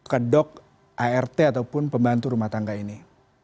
kedok art ataupun pembantu rumah tangga ini